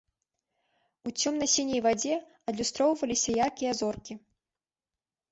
У цёмна-сіняй вадзе адлюстроўваліся яркія зоркі.